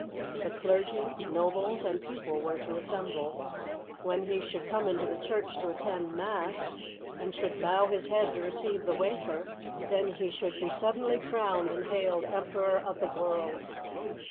The clergy, nobles and people were to assemble. When he should come into the church to attend mass, and should bow his head to receive the wafer — then he should be suddenly crowned and hailed Emperor of the World.